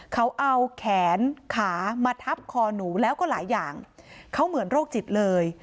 เขาเอาแขนขามาทับคอหนูแล้วก็หลายอย่างเขาเหมือนโรคจิตเลย